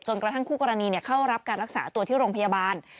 กระทั่งคู่กรณีเข้ารับการรักษาตัวที่โรงพยาบาล